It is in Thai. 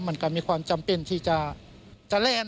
มันก็มีความจำเป็นที่จะแลนด